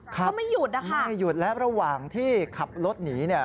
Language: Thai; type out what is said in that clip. ก็ไม่หยุดนะคะไม่หยุดและระหว่างที่ขับรถหนีเนี่ย